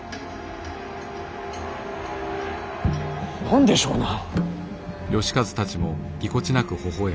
何でしょうな。